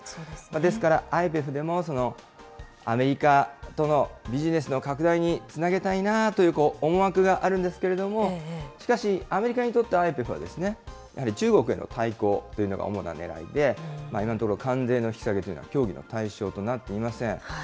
ですから、ＩＰＥＦでも、アメリカとのビジネスの拡大につなげたいなという思惑があるんですけれども、しかし、アメリカにとってＩＰＥＦは、やはり中国への対抗というのが主なねらいで、今のところ、関税の引き下げというのは協議の対象となっていません。